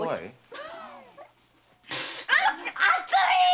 熱い‼